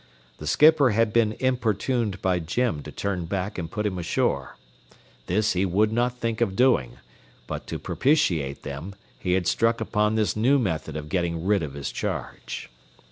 The skipper had been importuned by Jim to turn back and put him ashore. This he would not think of doing, but to propitiate them he had struck upon this new method of getting rid of his charge.